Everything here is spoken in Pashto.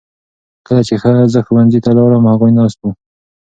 کله چې زه ښوونځي ته لاړم هغوی ناست وو.